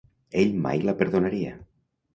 Ell mai la perdonaria.